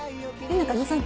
中野さん。